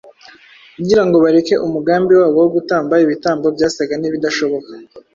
kugira ngo bareke umugambi wabo wo gutamba ibitambo byasaga n’ibidashoboka.